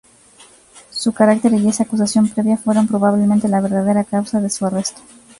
Su carácter y esa acusación previa fueron probablemente la verdadera causa de su arresto.